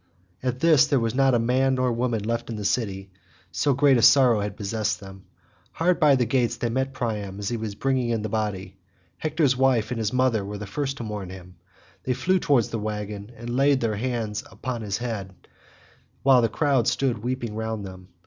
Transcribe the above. At this there was not man nor woman left in the city, so great a sorrow had possessed them. Hard by the gates they met Priam as he was bringing in the body. Hector's wife and his mother were the first to mourn him: they flew towards the waggon and laid their hands upon his head, while the crowd stood weeping round them.